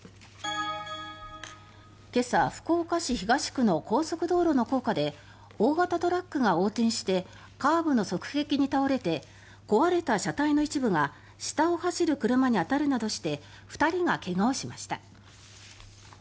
今朝、福岡市東区の高速道路の高架で大型トラックが横転してカーブの側壁に倒れて壊れた車体の一部が下を走る車に当たるなどして２人が怪我をしました。